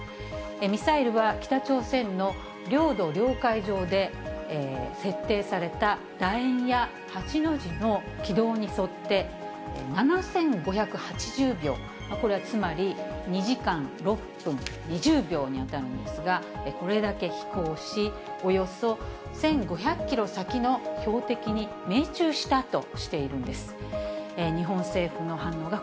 ミサイルは北朝鮮の領土・領海上で設定された、だ円や８の字の軌道に沿って、７５８０秒、これはつまり２時６分２０秒に当たるんですが、これだけ飛行し、およそ１５００キロ先の標的に命中したとしているんです。